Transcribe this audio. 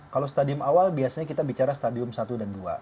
kalau stadium awal biasanya kita bicara stadium satu dan dua